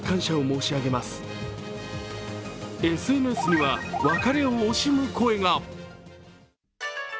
ＳＮＳには別れを惜しむ声が。